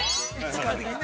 ◆時間的にね。